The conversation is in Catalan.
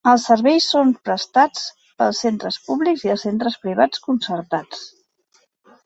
Els serveis són prestats pels centres públics i els centres privats concertats.